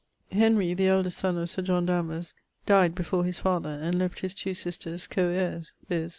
Henry, the eldest son of Sir John Danvers, dyed before his father, and left his two sisters co heires, viz.